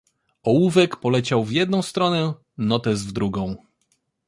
"Ołówek poleciał w jedną stronę, notes w drugą."